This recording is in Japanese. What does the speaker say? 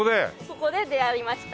ここで出会いました。